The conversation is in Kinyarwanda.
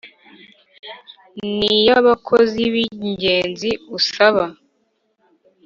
N iy abakozi b ingenzi usaba